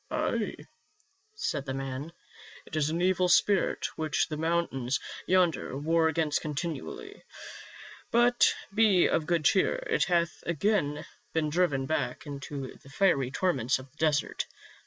"Ay," said the man, "it is an evil spirit which the mountains yonder war against continually. But be of good cheer, it hath again been driven back into the fiery torments of the desert.